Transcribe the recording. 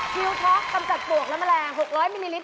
ทิวท็อกกำจัดปวกและแมลง๖๐๐มิลลิตร